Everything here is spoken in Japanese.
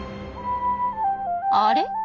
あれ？